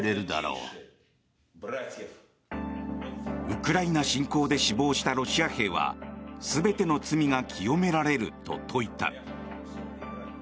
ウクライナ侵攻で死亡したロシア兵は全ての罪が清められると説いた。